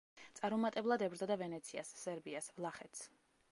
წარუმატებლად ებრძოდა ვენეციას, სერბიას, ვლახეთს.